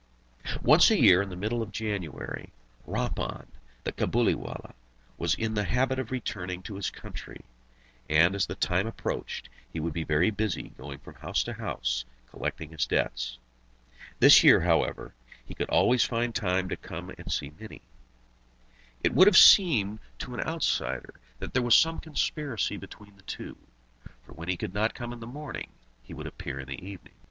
Once a year in the middle of January Rahmun, the Cabuliwallah, was in the habit of returning to his country, and as the time approached he would be very busy, going from house to house collecting his debts. This year, however, he could always find time to come and see Mini. It would have seemed to an outsider that there was some conspiracy between the two, for when he could not come in the morning, he would appear in the evening.